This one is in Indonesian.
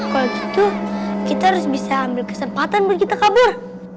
kalau gitu kita harus bisa ambil kesempatan buat kita kabur